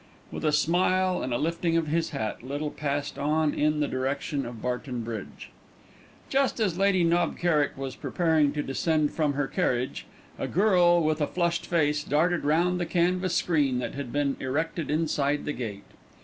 With a smile and a lifting of his hat, Little passed on in the direction of Barton Bridge. Just as Lady Knob Kerrick was preparing to descend from her carriage, a girl with a flushed face darted round the canvas screen that had been erected inside the gate.